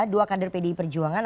dua kader pdi perjuangan